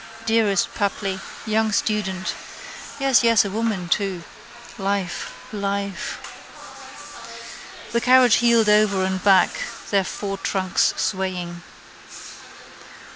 Dearest Papli. Young student. Yes, yes: a woman too. Life, life. The carriage heeled over and back, their four trunks swaying.